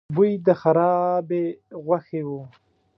بوی د خرابې غوښې و.